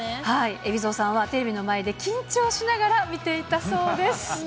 海老蔵さんは、テレビの前で緊張しながら見ていたそうです。